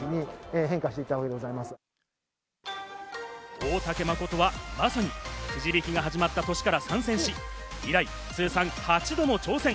大竹真はまさにくじ引きが始まった年から参戦し、以来通算８度も挑戦。